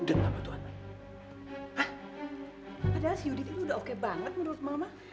eh yaudah deh